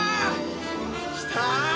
きた！